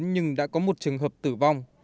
nhưng đã có một trường hợp tử vong